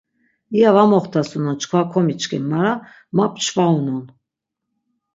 İya va moxtasunon çkva komiçkin, mara ma pçvaunon.